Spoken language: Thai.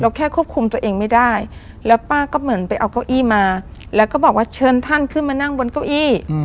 แค่ควบคุมตัวเองไม่ได้แล้วป้าก็เหมือนไปเอาเก้าอี้มาแล้วก็บอกว่าเชิญท่านขึ้นมานั่งบนเก้าอี้